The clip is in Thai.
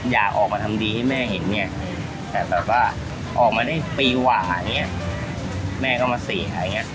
อยากออกมาทำดีให้แม่เห็นแต่ออกมาได้ปีหว่าแม่ก็มาสีหาย